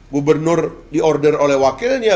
gubernur di order oleh wakilnya